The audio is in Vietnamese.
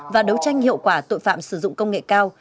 và đấu tranh hiệu quả tội phạm sử dụng công nghệ cao